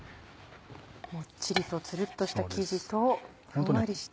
もっちりとツルっとした生地とふんわりした。